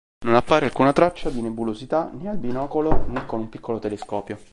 Non appare alcuna traccia di nebulosità né al binocolo, né con un piccolo telescopio.